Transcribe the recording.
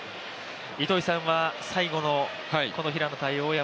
糸井さんは最後の平野対大山